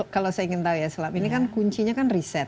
kalau saya ingin tahu ya selama ini kan kuncinya kan riset